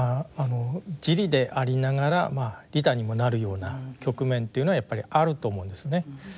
自利でありながら利他にもなるような局面っていうのはやっぱりあると思うんですね。